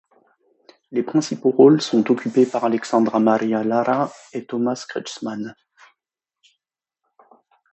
Les principaux rôles sont occupés par Alexandra Maria Lara et Thomas Kretschmann.